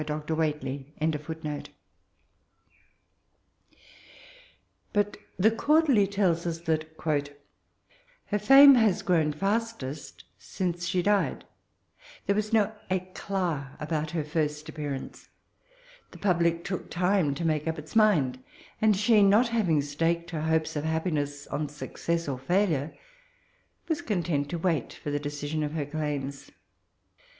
100 77ie Novd9 of Jane AusUn, [July. tbe Quarterly tells xa that ^ her fame has grown fastest since she died : there was do Sdat aboat her first ap> pearaDce: the pabUc took time to make up its mind ; and she, not hav ing staked her hopes of happiness on saccess or failure, was content to wait for the decision of her claims.